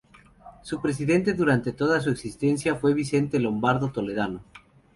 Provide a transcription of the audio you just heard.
Su presidente, durante toda su existencia, fue Vicente Lombardo Toledano.